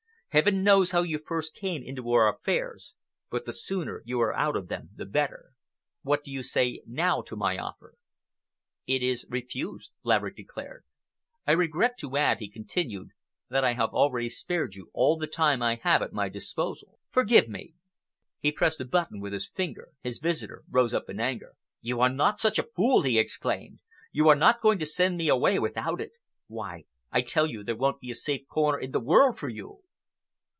Heaven knows how you first came into our affairs, but the sooner you are out of them the better. What do you say now to my offer?" "It is refused," Laverick declared. "I regret to add," he continued, "that I have already spared you all the time I have at my disposal. Forgive me." He pressed a button with his finger. His visitor rose up in anger. "You are not such a fool!" he exclaimed. "You are not going to send me away without it? Why, I tell you that there won't be a safe corner in the world for you!"